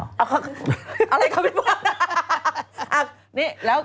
อะไรเขาไม่พูด